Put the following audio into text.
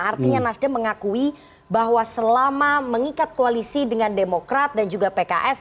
artinya nasdem mengakui bahwa selama mengikat koalisi dengan demokrat dan juga pks